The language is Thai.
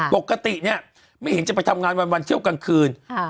ปกติเนี่ยไม่เห็นจะไปทำงานวันเที่ยวกลางคืน